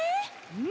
うん！